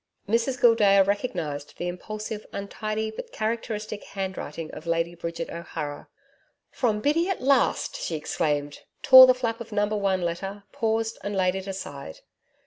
Mrs Gildea recognised the impulsive, untidy but characteristic handwriting of Lady Bridget O'Hara. 'From Biddy at last!' she exclaimed, tore the flap of number one letter, paused and laid it aside.